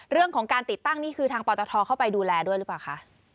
เรื่องของการติดตั้งนี่คือทางปตทเข้าไปดูแลด้วยหรือเปล่าคะ